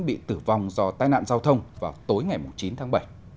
bị tử vong do tai nạn giao thông vào tối ngày chín tháng bảy